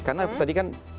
karena tadi kan